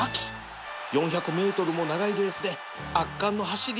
４００ｍ の長いレースで圧巻の走りを披露